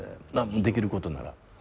できることなら。